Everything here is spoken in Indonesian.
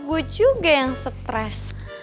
gue juga yang stres